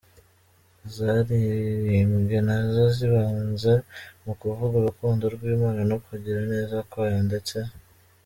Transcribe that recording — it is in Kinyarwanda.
zaririmbwe nazo zibanze mukuvuga urukundo rwImana no kugira neza kwayo ndetse.